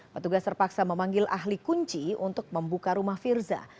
petugas terpaksa memanggil ahli kunci untuk membuka rumah firza